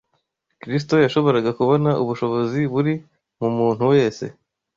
Kristo yashoboraga kubona ubushobozi buri mu muntu wese